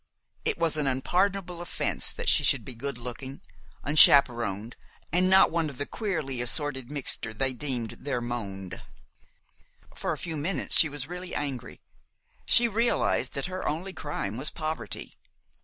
It was an unpardonable offense that she should be good looking, unchaperoned, and not one of the queerly assorted mixture they deemed their monde. For a few minutes she was really angry. She realized that her only crime was poverty.